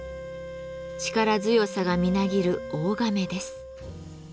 力強さがみなぎる大甕です。